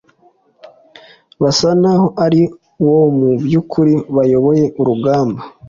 basa naho ari bo mu by'ukuri bayoboye urugamba.